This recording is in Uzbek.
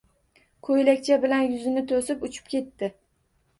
Ko‘ylakcha bilan yuzini to‘sib uchib ketdi.